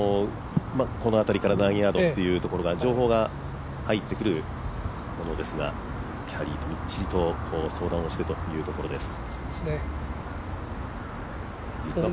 この辺りから何ヤードっていうところの情報が入ってくるものですがキャディーとみっちり相談してというところです。